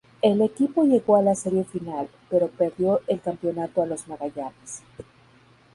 El equipo llegó a la serie final, pero perdió el campeonato a los Magallanes.